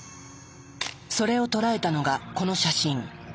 それを捉えたのがこの写真。